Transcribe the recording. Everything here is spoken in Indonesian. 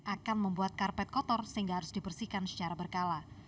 akan membuat karpet kotor sehingga harus dibersihkan secara berkala